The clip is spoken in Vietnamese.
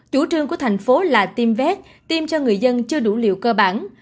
chủ trương của thành phố là tiêm vét tiêm cho người dân chưa đủ liều cơ bản